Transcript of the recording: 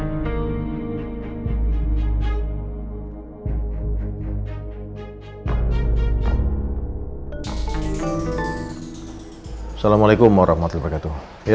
assalamualaikum warahmatullahi wabarakatuh ya